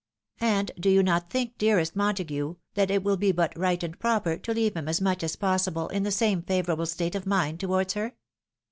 And do you not think, dearest Montague, that it will be but right and proper to leave him as much as possible in the same favourable state of mind towards her?